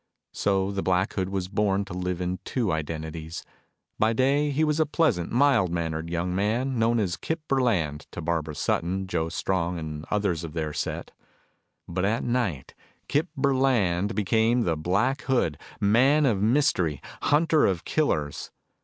So the Black Hood was born to live in two identities. By day he was a pleasant, mild mannered young man known as Kip Burland to Barbara Sutton, Joe Strong, and others of their set. But at night Kip Burland became the Black Hood, man of mystery, hunter of killers.